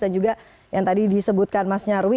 dan juga yang tadi disebutkan mas nyarwi